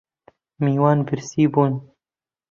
میوان برسی بوون